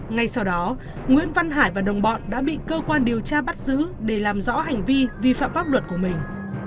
ngay sau đó nguyễn văn hải và đồng bọn đã bị cơ quan điều tra bắt giữ để làm rõ hành vi vi phạm pháp luật của mình